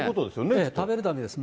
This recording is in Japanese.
ええ、食べるためです。